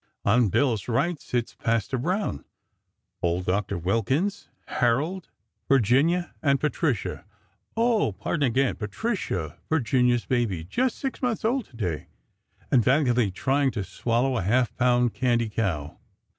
On Bill's right sits Pastor Brown, old Doctor Wilkins, Harold, Virginia, and Patricia. Oh, pardon again! Patricia, Virgina's baby; just six months old, today, and valiantly trying to swallow a half pound candy cow!